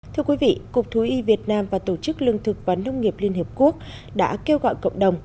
thưa quý vị cục thú y việt nam và tổ chức lương thực và nông nghiệp liên hiệp quốc đã kêu gọi cộng đồng